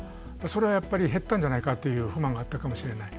それはやっぱり減ったんじゃないかという不満があったかもしれない。